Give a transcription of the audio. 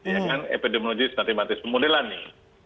ya kan epidemiologis matematis pemodelan nih